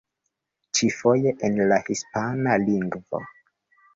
Ĉifoje en la hispana lingvo.